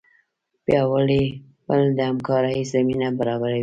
پیاوړی پل د همکارۍ زمینه برابروي.